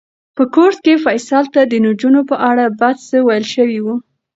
په کورس کې فیصل ته د نجونو په اړه بد څه ویل شوي وو.